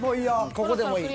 ここでもいい。